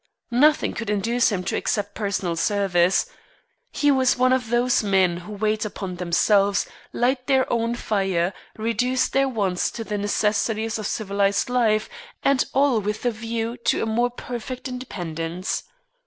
Nothing could induce him to accept personal service. He was one of those men who wait upon themselves, light their own fire, reduce their wants to the necessaries of civilized life, and all with a view to a more perfect independence.